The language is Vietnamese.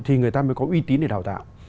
thì người ta mới có uy tín để đào tạo